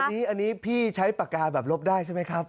อันนี้พี่ใช้ปากกาแบบลบได้ใช่ไหมครับ